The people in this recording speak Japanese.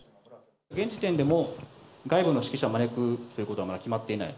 現時点でも、外部の識者を招くということは決まっていない？